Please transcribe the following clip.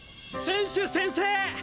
・選手宣誓